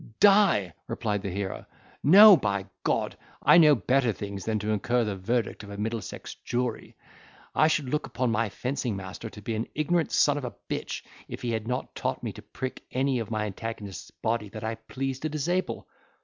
"Die!" replied the hero: "No, by G—! I know better things than to incur the verdict of a Middlesex jury—I should look upon my fencing master to be an ignorant son of a b—h, if he had not taught me to prick any of my antagonist's body that I please to disable."